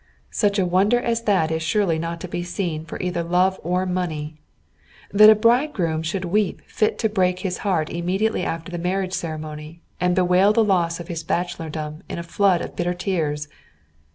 Such a wonder as that is surely not to be seen for either love or money! That a bridegroom should weep fit to break his heart immediately after the marriage ceremony, and bewail the loss of his bachelordom in floods of bitter tears!